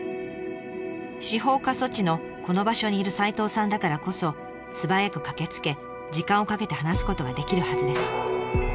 司法過疎地のこの場所にいる齋藤さんだからこそ素早く駆けつけ時間をかけて話すことができるはずです。